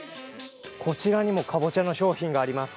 こちらにもかぼちゃの商品があります。